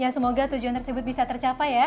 semoga tujuan tersebut bisa tercapai ya